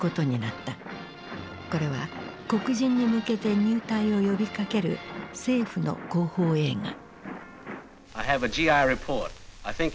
これは黒人に向けて入隊を呼びかける政府の広報映画。